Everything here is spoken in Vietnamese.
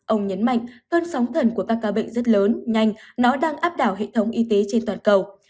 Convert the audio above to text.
ông nhấn mạnh cơn sóng thần của các ca bệnh rất lớn nhanh nó đang áp đảo hệ thống y tế trên toàn cầu